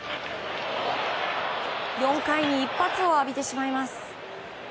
４回に一発を浴びてしまいます。